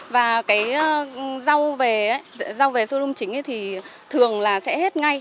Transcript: và cái rau về rau về sô đông chính thì thường là sẽ hết ngay